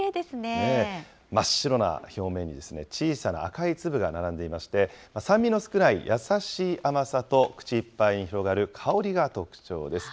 真っ白な表面に、小さな赤い粒が並んでいまして、酸味の少ない優しい甘さと、口いっぱいに広がる香りが特徴です。